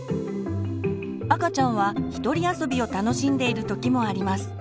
赤ちゃんは一人遊びを楽しんでいる時もあります。